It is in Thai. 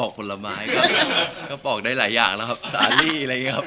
ก็ได้รายหลายอย่างแล้วครับสี่พีคอะไรเงี้ยครับ